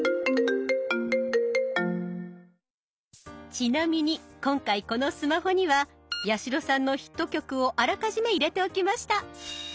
ちなみに今回このスマホには八代さんのヒット曲をあらかじめ入れておきました。